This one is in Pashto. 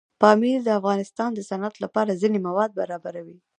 پامیر د افغانستان د صنعت لپاره ځینې مواد برابروي.